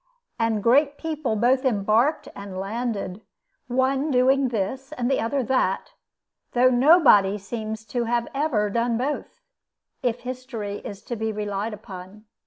And great people both embarked and landed, one doing this and the other that, though nobody seems to have ever done both, if history is to be relied upon.